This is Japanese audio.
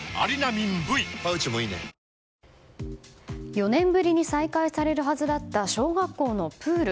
４年ぶりに再開されるはずだった小学校のプール。